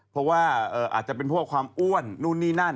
เพราะว่าอาจจะเป็นพวกความอ้วนนู่นนี่นั่น